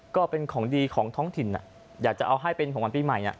ก็เป็นของดีของท้องถิ่นอยากจะเอาให้เป็นของวันปีใหม่